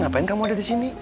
ngapain kamu ada di sini